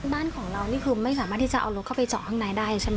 บ้านของเรานี่คือไม่สามารถที่จะเอารถเข้าไปเจาะข้างในได้ใช่ไหม